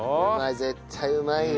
絶対うまいよ。